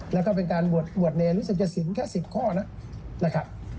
แล้วก็เป็นการบวชเนรรู้สึกจะสินแค่๑๐ข้อน่ะ